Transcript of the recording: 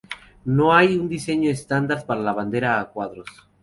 No hay un diseño estándar para la bandera a cuadros.